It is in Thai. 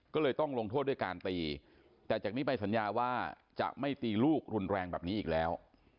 ก็เลยต้องลงโทษด้วยการตีแต่จากนี้ไปสัญญาว่าจะไม่ตีลูกรุนแรงแบบนี้อีกแล้ว